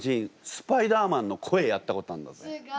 スパイダーマンの声やったことあんだぜ。